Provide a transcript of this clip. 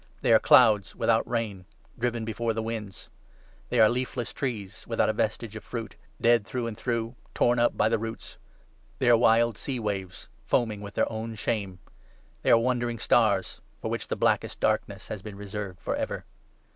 They are clouds without rain, driven before the winds ; they are leafless trees without a vestige of fruit, dead through and through, torn up by the roots ; they are wild sea waves, foaming with their 13 own shame ; they are ' wandering stars,' for which the blackest darkness has been reserved for ever.